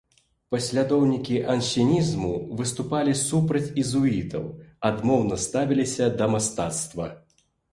Паслядоўнікі янсенізму выступалі супраць езуітаў, адмоўна ставіліся да мастацтва.